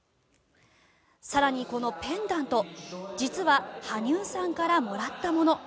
更に、このペンダント実は羽生さんからもらったもの。